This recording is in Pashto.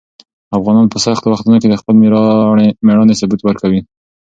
افغانان په سختو وختونو کې د خپل مېړانې ثبوت ورکوي.